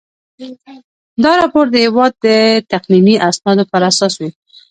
دا راپور د هیواد د تقنیني اسنادو په اساس وي.